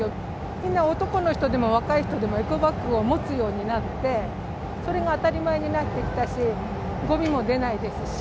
みんな男の人でも若い人でもエコバッグを持つようになって、それが当たり前になってきたし、ごみも出ないですし。